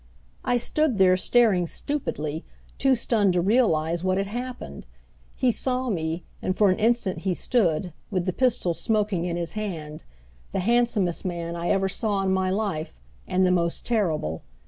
I stood there, staring stupidly, too stunned to realize what had happened. He saw me, and for an instant he stood, with the pistol smoking in his hand the handsomest man I ever saw in my life, and the most terrible.